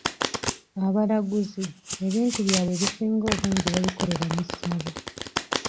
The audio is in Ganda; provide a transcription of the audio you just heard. Abalaguzi, ebintu byabwe ebisinga obungi babikolera mu ssabo.